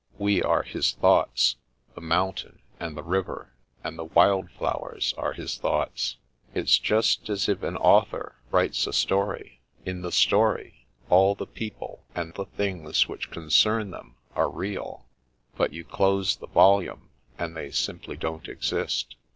We are his thoughts ; the mountains, and the river, and the wild flowers are his thoughts. It's just as if an author writes a story. In the story, all the pec^le and the things which concern them are real, but you close the volume and they simply don't exist.